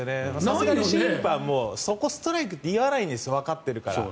さすがに審判もそこ、ストライクって言わないんですわかってるから。